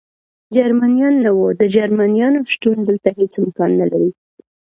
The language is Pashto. جرمنیان نه و، د جرمنیانو شتون دلته هېڅ امکان نه لري.